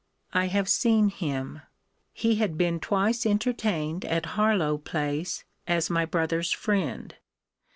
I have seen him. He had been twice entertained at Harlowe place, as my brother's friend.